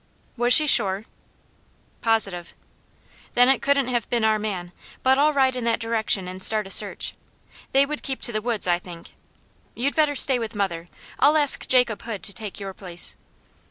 "Was she sure?" "Positive." "Then it couldn't have been our man, but I'll ride in that direction and start a search. They would keep to the woods, I think! You'd better stay with mother. I'll ask Jacob Hood to take your place."